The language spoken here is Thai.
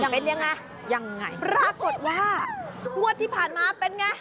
เป็นยังไงยังไงปรากฏว่างวดที่ผ่านมาเป็นไง